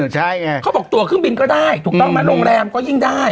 ใช่ไงเขาบอกตัวเครื่องบินก็ได้ถูกต้องไหมโรงแรมก็ยิ่งได้